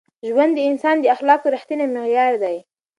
ژوند د انسان د اخلاقو رښتینی معیار دی.